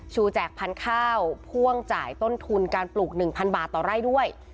แจกพันธุ์ข้าวพ่วงจ่ายต้นทุนการปลูก๑๐๐บาทต่อไร่ด้วย